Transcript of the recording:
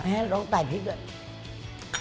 ไม่ต้องใส่พริกด้วย